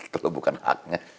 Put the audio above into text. kalau bukan haknya